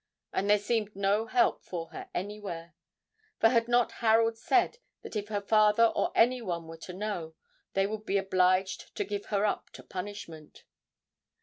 And there seemed no help for her anywhere for had not Harold said that if her father or anyone were to know, they would be obliged to give her up to punishment.